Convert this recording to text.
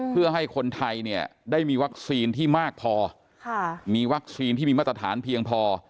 เพื่อให้คนไทยเนี่ยได้มีวัคซีนที่มากพอมีวัคซีนที่มีมาตรฐานเพียงพอ